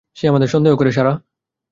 সে আমাদের সন্দেহ করে, সারাহ।